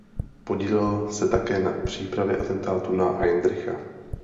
Podílel se také na přípravě atentátu na Heydricha.